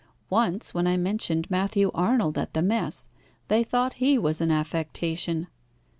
Once, when I mentioned Matthew Arnold at the mess, they thought he was an affectation."